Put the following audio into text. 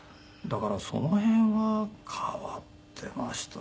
だからその辺は変わってました。